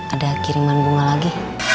ada kiriman bunga lagi